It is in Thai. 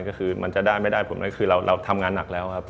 ก็คือมันจะได้ไม่ได้ผลก็คือเราทำงานหนักแล้วครับ